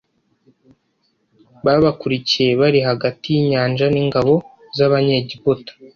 babakurikiye bari hagati y inyanja n ingabo z abanyegiputa